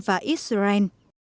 và ý sự rảnh